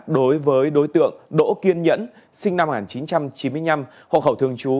đối với đối tượng đỗ kiên nhẫn sinh năm một nghìn chín trăm chín mươi năm hộ khẩu thường trú